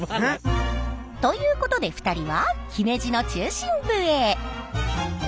ということで２人は姫路の中心部へ。